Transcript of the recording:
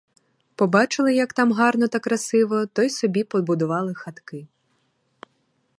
Побачили, як там гарно та красиво, то й собі побудували хатки.